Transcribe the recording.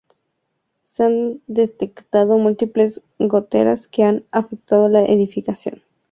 Se han detectado múltiples goteras que han afectado la edificación.